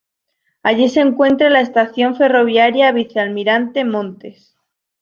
Allí se encuentra la estación ferroviaria "Vicealmirante Montes".